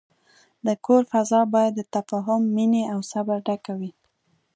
د کور فضا باید د تفاهم، مینې، او صبر ډکه وي.